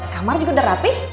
kamar juga udah rapih